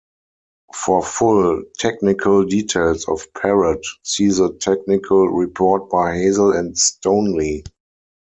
For full technical details of Parrot, see the technical report by Hazel and Stoneley.